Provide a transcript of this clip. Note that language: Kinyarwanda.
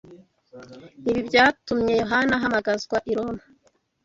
Ibi byatumye Yohana ahamagazwa i Roma